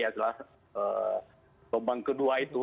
setelah gelombang kedua itu